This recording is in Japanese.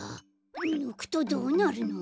ぬくとどうなるの？